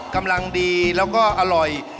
กำลังดีแล้วก็อร่อย